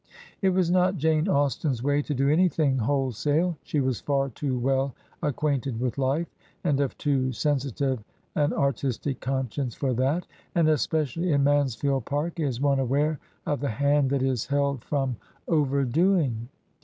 It was not Jane Austen's way to do anything whole sale ; she was far too well acquainted with life, and of too sensitive an artistic conscience for that; and especially in "Mansfield Park" is one aware of the hand that is held from overdoing.